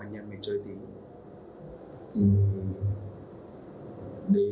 đến nhạc nghị chơi khi được bạn bè sử dụng trái ma túy